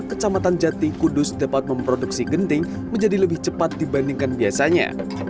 kecamatan jati kudus dapat memproduksi genting menjadi lebih cepat dibandingkan biasanya